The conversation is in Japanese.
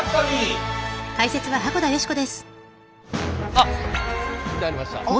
あっいてはりました。